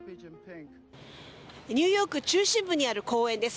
ニューヨーク中心部にある公園です。